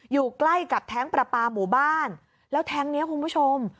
อยู่ใกล้กับแท้งประปาหมู่บ้านแล้วแท้งนี้คุณผู้ชม